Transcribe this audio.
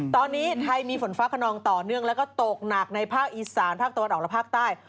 ตอนนี้ไทยมีฝนฟ้าขนองต่อเนื่องแล้วก็ตกหนักในภาคอีสานภาคตะวันออกและภาคใต้